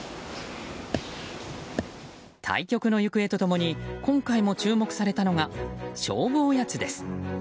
対局の行方と共に今回も注目されたのが勝負おやつです。